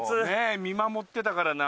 見守ってたからな。